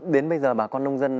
đến bây giờ bà con nông dân